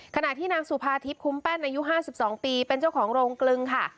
ขณะที่นางสุภาทิพย์คุ้มแป้นอายุ๕๒ปีเป็นเจ้าของโรงกลึงค่ะ